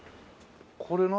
これ何？